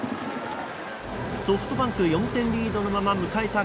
ソフトバンクリードのまま迎えた